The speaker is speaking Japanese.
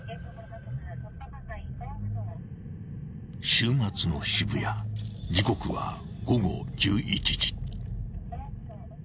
［週末の渋谷時刻は午後１１時］